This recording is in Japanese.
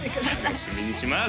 楽しみにします！